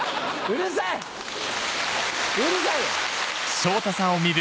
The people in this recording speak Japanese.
うるさいよ！